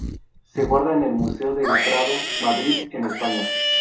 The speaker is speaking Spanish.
Se guarda en el Museo del Prado, Madrid, en España.